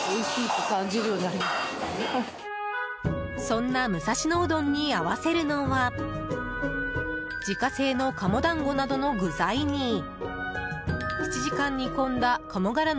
そんな武蔵野うどんに合わせるのは自家製の鴨団子などの具材に７時間煮込んだ鴨ガラ